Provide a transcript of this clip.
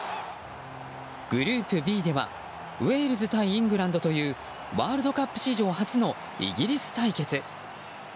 グループＢではウェールズ対イングランドというワールドカップ史上初のイギリス対決。